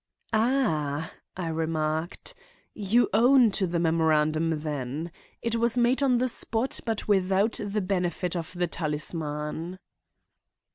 "Ah," I remarked. "You own to the memorandum then. It was made on the spot, but without the benefit of the talisman."